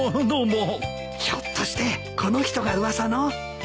ひょっとしてこの人が噂の？